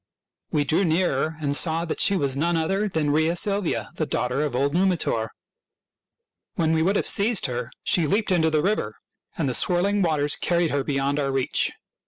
We drew nearer, and saw that she was HOW ROME WAS FOUNDED l8l none other than Rhea Silvia, the daughter of old Numitor. When we would have seized her she leaped into the river, and the swirling waters car ried her beyond our reach.